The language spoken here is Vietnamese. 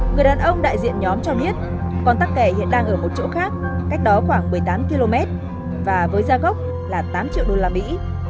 người đàn ông đại diện nhóm cho biết con tắc kẻ hiện đang ở một chỗ khác cách đó khoảng một mươi tám km và với gia gốc là tám triệu đô la mỹ